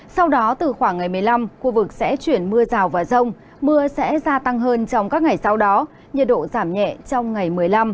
sau đó từ khoảng ngày một mươi năm khu vực sẽ chuyển mưa rào và rông mưa sẽ gia tăng hơn trong các ngày sau đó nhiệt độ giảm nhẹ trong ngày một mươi năm